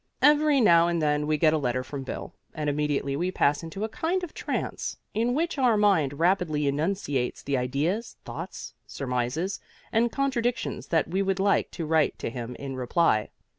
Every now and then we get a letter from Bill, and immediately we pass into a kind of trance, in which our mind rapidly enunciates the ideas, thoughts, surmises and contradictions that we would like to write to him in reply.